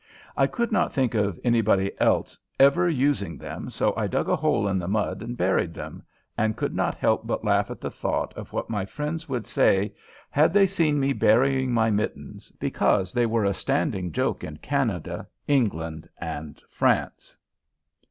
I could not think of anybody else ever using them, so I dug a hole in the mud and buried them, and could not help but laugh at the thought of what my friends would say had they seen me burying my mittens, because they were a standing joke in Canada, England, and France.